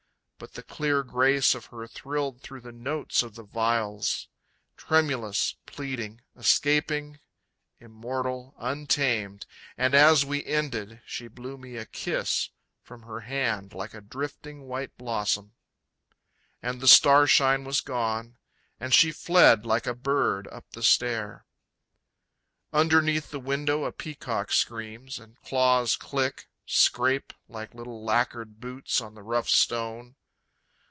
But the clear grace of her thrilled through the notes of the viols, Tremulous, pleading, escaping, immortal, untamed, And, as we ended, She blew me a kiss from her hand like a drifting white blossom And the starshine was gone; and she fled like a bird up the stair. Underneath the window a peacock screams, And claws click, scrape Like little lacquered boots on the rough stone.